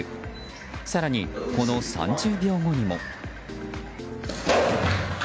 更に、この３０秒後にも。